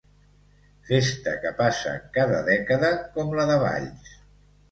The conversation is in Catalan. Festa que passa cada dècada, com la de Valls.